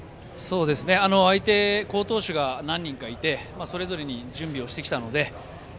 相手に好投手が何人かいてそれぞれに準備をしてきたので。